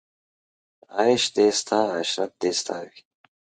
عیش دې ستا عشرت دې ستا وي